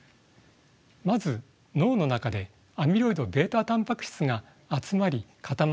まず脳の中でアミロイドβタンパク質が集まり固まってたまります。